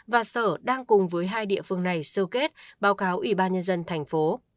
hàng cùng với hai địa phương này sâu kết báo cáo ủy ban nhân dân tp